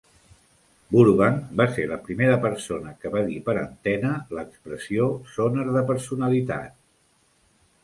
Burbank va ser la primera persona que va dir per antena l'expressió "sonar de personalitat".